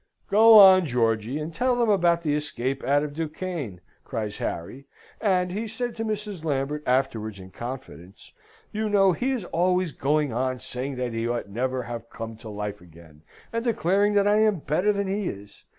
"Go on, Georgy, and tell them about the escape out of Duquesne!" cries Harry, and he said to Mrs. Lambert afterwards in confidence, "You know he is always going on saying that he ought never to have come to life again, and declaring that I am better than he is.